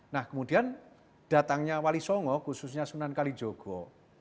nah kemudian datangnya wali songo khususnya sunan kalijogo